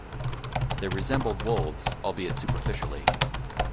They resembled wolves, albeit superficially.